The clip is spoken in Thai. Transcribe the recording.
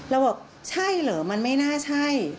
เราบอกใช่เหรอมันไม่น่าใช่